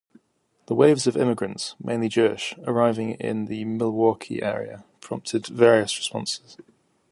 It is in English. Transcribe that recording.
The waves of immigrants (mainly Jewish) arriving in the Milwaukee area prompted various responses.